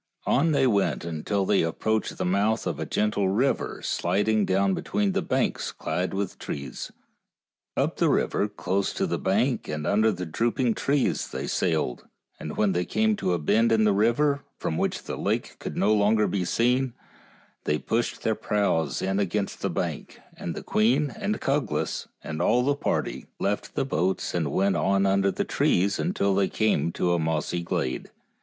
And on they went until they approached the mouth of a gentle river slid ing down between banks clad with trees. Up the river, close to the bank and under the droop ing trees, they sailed, and when they came to a bend in the river, from which the lake could be no longer seen, they pushed their prows in against the bank, and the queen and Cuglas, and all the party, left the boats and went on under the trees until they came to a mossy glade.